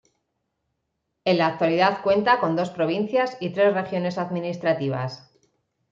En la actualidad cuenta con dos provincias y tres regiones administrativas.